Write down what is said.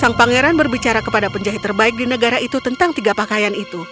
sang pangeran berbicara kepada penjahit terbaik di negara itu tentang tiga pakaian itu